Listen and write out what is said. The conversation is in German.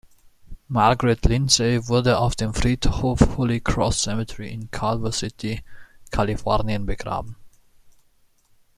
Margaret Lindsay wurde auf dem Friedhof „Holy Cross Cemetery“ in Culver City, Kalifornien begraben.